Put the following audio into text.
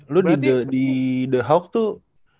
lu di the hawk tuh